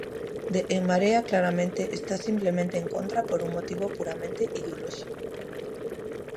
De En Marea claramente está simplemente en contra por un motivo puramente ideolóxico.